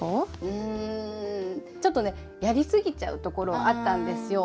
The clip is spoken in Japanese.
うんちょっとねやりすぎちゃうところあったんですよ。